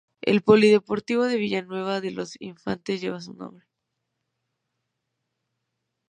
El polideportivo de Villanueva de los Infantes lleva su nombre.